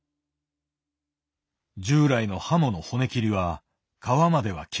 従来のハモの骨切りは皮までは切らない。